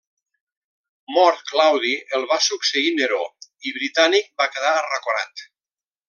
Mort Claudi el va succeir Neró, i Britànic va quedar arraconat.